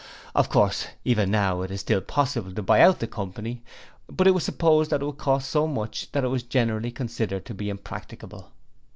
Of course, even now it was still possible to buy out the Company, but it was supposed that it would cost so much that it was generally considered to be impracticable.